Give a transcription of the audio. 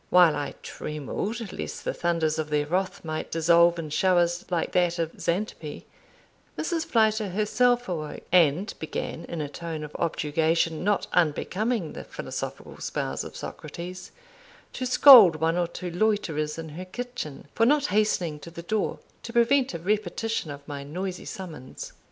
While I trembled lest the thunders of their wrath might dissolve in showers like that of Xantippe, Mrs. Flyter herself awoke, and began, in a tone of objurgation not unbecoming the philosophical spouse of Socrates, to scold one or two loiterers in her kitchen, for not hastening to the door to prevent a repetition of my noisy summons.